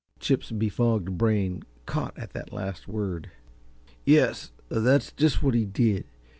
Chip's befogged brain caught at the last word. "Yes, that's just what he did.